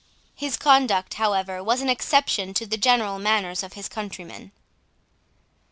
His conduct, however, was an exception to the general manners of his countrymen.